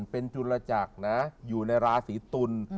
เป็นจุลจักรนะอยู่ในราศีตุล